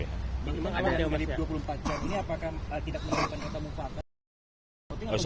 memang ada yang beri dua puluh empat jam ini apakah tidak menurut anda temukan